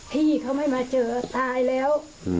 ที่เขาไม่มาเจอตายแล้ว